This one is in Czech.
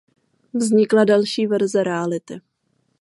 Vznikla další verze reality.